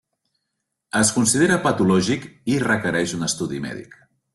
Es considera patològic i requereix un estudi mèdic.